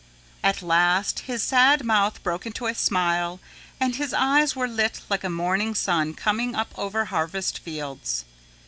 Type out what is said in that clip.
At last his sad mouth broke into a smile and his eyes were lit like a morning sun coming up over harvest fields.